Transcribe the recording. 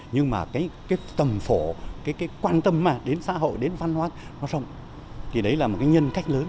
nhưng mà cái tầm phổ cái quan tâm đến xã hội đến văn hóa nó rộng thì đấy là một cái nhân cách lớn